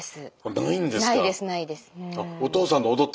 ないんですか？